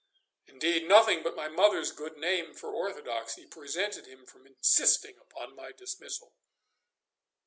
Indeed, nothing but my mother's good name for orthodoxy prevented him from insisting upon my dismissal.